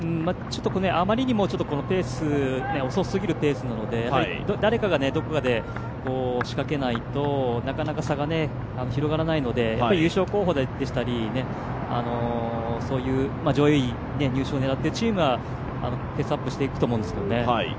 あまりにもこのペース遅すぎるペースなので誰かがどこかで仕掛けないとなかなか差が広がらないので優勝候補でしたり、上位入賞狙ってチームはペースアップしていくと思うんですね。